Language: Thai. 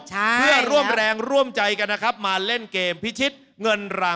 เพื่อร่วมแรงร่วมใจกันมาเล่นเกมพิชิตนำเงินรางวัล